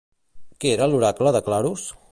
Què era l'oracle de Claros?